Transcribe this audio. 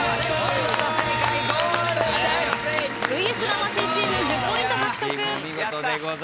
ＶＳ魂チーム１０ポイント獲得。